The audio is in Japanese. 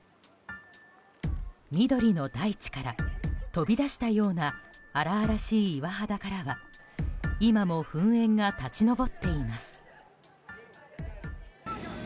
緑の大地から飛び出したような荒々しい岩肌からは今も噴煙が立ち上っています。